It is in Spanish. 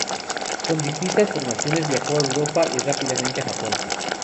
Con distintas formaciones viajó a Europa y repetidamente a Japón.